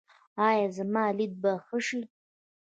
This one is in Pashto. ایا زما لیدل به ښه شي؟